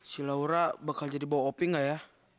silaura bakal jadi bawa opi enggak ya